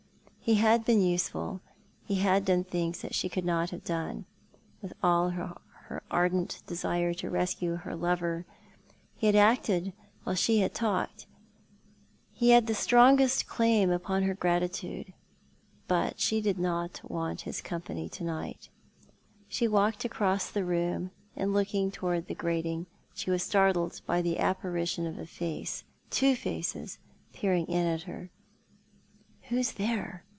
He had been useful; ho had done things that she could not have done, with all her ardent desire to rescue her lover. He had acted while she had talked. He had the strongest claim upon her gratitude, but she did not want his company to night. " Grjidged I so much to die?" 149 She walked across the room, and, looking towards the grating, she was startled by the apparition of a face — two faces — peering in at her, " Who's there